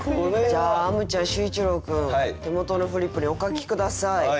じゃああむちゃん秀一郎君手元のフリップにお書き下さい。